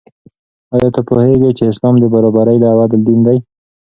آیا ته پوهېږې چې اسلام د برابرۍ او عدل دین دی؟